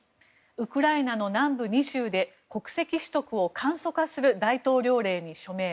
ウクライナの南部２州で国籍取得を簡素化する大統領令に署名。